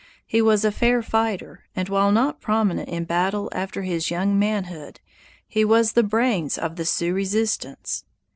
He was a fair fighter, and while not prominent in battle after his young manhood, he was the brains of the Sioux resistance.